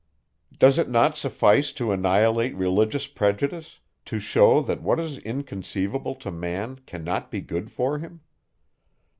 Does it not suffice to annihilate religious prejudice, to shew, that what is inconceivable to man, cannot be good for him?